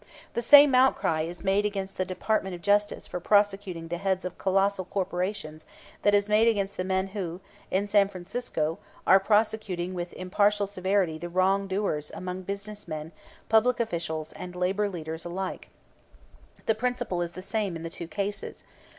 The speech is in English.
The same outcry is made against the Department of Justice for prosecuting the heads of colossal corporations that is made against the men who in San Francisco are prosecuting with impartial severity the wrongdoers among business men, public officials, and labor leaders alike. The principle is the same in the two cases.